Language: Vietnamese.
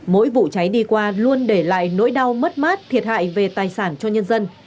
mỗi vụ cháy đi qua luôn để lại nỗi đau mất mát thiệt hại về tài sản cho nhân dân